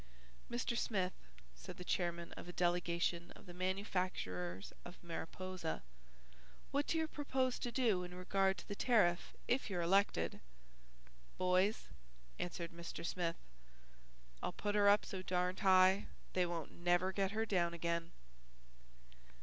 "Mr. Smith," said the chairman of a delegation of the manufacturers of Mariposa, "what do you propose to do in regard to the tariff if you're elected?" "Boys," answered Mr. Smith, "I'll put her up so darned high they won't never get her down again."